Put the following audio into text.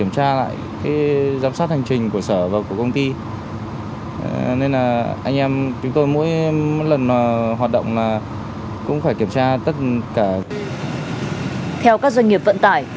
theo các doanh nghiệp vận tải